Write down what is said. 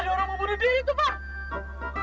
ada orang mau bunuh diri tuh pak